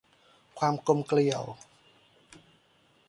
ความกลมเกลียว